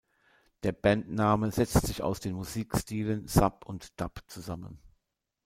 Der Bandname setzt sich aus den Musikstilen Sub und Dub zusammen.